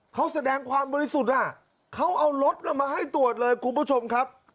เขาแสดงความบริสุทธิ์เขาเอารถมาให้ตรวจเลยคุณผู้ชมครับ